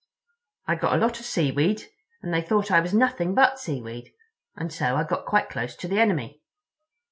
I got a lot of seaweed, and they thought I was nothing but seaweed; and so I got quite close to the enemy."